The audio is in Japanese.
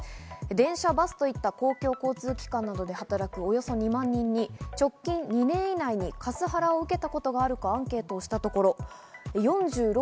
電車、バスといった公共交通機関などで働くおよそ２万人に直近２年以内にカスハラを受けたことがあるかアンケートしたところ、４６．６％。